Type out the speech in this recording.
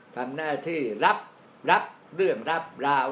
ทำหน้าที่รับเรื่องรับราว